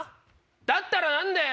だったらなんだよ。